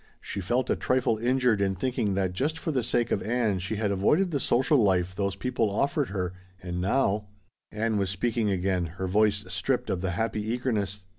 She felt a trifle injured in thinking that just for the sake of Ann she had avoided the social life those people offered her, and now Ann was speaking again, her voice stripped of the happy eagerness.